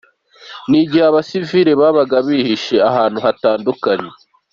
Ni mu gihe abasivili babaga bihishe ahantu hatandukanye.